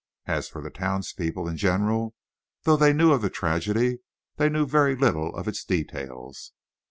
As for the townspeople in general, though they knew of the tragedy, they knew very little of its details.